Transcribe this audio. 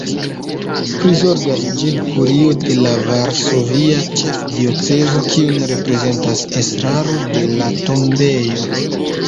Prizorgas ĝin Kurio de la Varsovia Ĉefdiocezo, kiun reprezentas estraro de la tombejo.